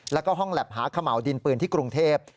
แล้วก็ห้องแล็บหาเขม่าวดินปืนที่กรุงเทพ